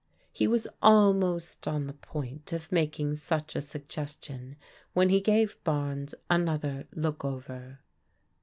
He was almost on the point of making such a sugges tion, when he gave Barnes another look over.